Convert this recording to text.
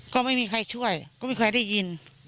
ก็ไม่มีใครช่วยก็ไม่มีใครได้ยิน